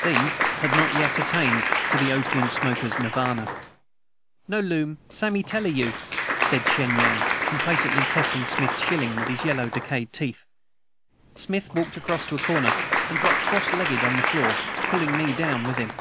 These had not yet attained to the opium smoker's Nirvana. "No loom samee tella you," said Shen Yan, complacently testing Smith's shilling with his yellow, decayed teeth. Smith walked to a corner and dropped cross legged, on the floor, pulling me down with him.